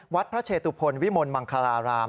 วัดพระเชตุพลวิมลมังคาราราม